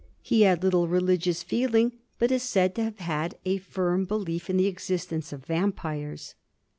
He had little religious feeling, but is said to have had a firm belief in the existence of vampires.